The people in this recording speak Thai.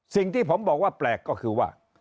สิ่งที่ผมบอกว่าแปลกก็คือว่า